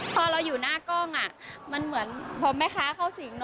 พอเราอยู่หน้ากล้องมันเหมือนพอแม่ค้าเข้าสิง